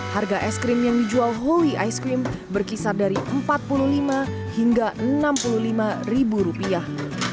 harga es krim yang dijual holy ice cream berkisar dari empat puluh lima hingga enam puluh lima ribu rupiah